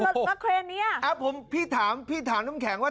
อ้าวแล้วเครนนี้พี่ถามน้ำแข็งว่า